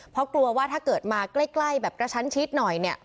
เพราะกลัวว่าถ้าเกิดมาใกล้แบบกระชั้นชิดหน่อยเนี่ย